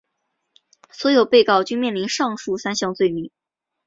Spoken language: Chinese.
所有被告均面临上述三项罪名。